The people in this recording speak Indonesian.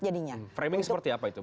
jadinya framing seperti apa itu